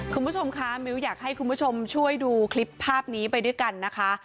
คุณผู้ชมคะมิ้วอยากให้คุณผู้ชมช่วยดูคลิปภาพนี้ไปด้วยกันนะคะ